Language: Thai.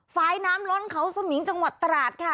ฝ่ายน้ำล้นเขาสมิงจังหวัดตราดค่ะ